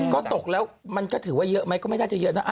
ก็ตกแล้วมันก็ถือว่าเยอะไหมก็ไม่น่าจะเยอะนะ